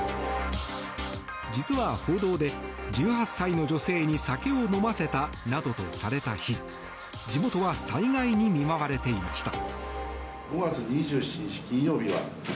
実は、報道で１８歳の女性に酒を飲ませたなどとされた日地元は災害に見舞われていました。